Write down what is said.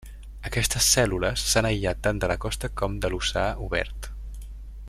Aquestes cèl·lules s'han aïllat tant de la costa com de l'oceà obert.